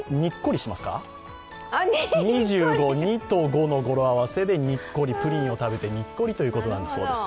２５、２と５の語呂合わせでニッコリ、プリンを食べてニッコリということだそうです。